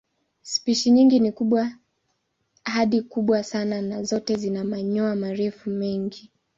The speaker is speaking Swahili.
Spishi nyingi ni kubwa hadi kubwa sana na zote zina manyoya marefu mengi.